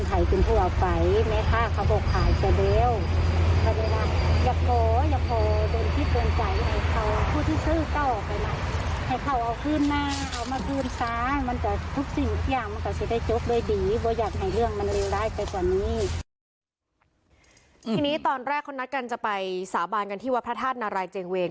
ให้เรื่องมันเรียวได้ไปกว่านี้ทีนี้ตอนแรกคนนัดกันจะไปสาบานกันที่วัดพระธาตุนารายเจงเวง